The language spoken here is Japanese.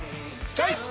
チョイス！